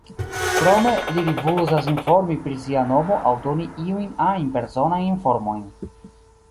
Krome, li rifuzas informi pri sia nomo aŭ doni iujn ajn personajn informojn.